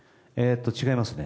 違いますね。